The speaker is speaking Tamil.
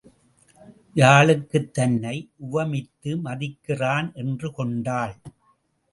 யாழுக்குத் தன்னை உவமித்து மதிக்கிறான் என்று கொண்டாள்.